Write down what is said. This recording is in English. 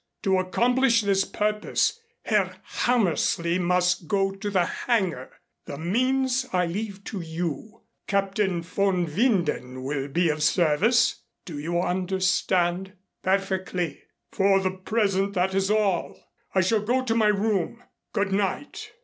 To accomplish this purpose, Herr Hammersley must go to the hangar. The means I leave to you. Captain von Winden will be of service. Do you understand?" "Perfectly." "For the present that is all. I shall go to my room. Good night."